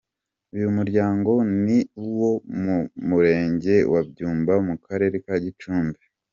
Uyu muryango ni uwo mu murenge wa Byumba mu karere ka Gicumbi.